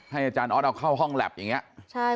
อาจารย์ออสเอาเข้าห้องแล็บอย่างนี้